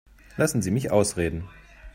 Lassen Sie mich ausreden.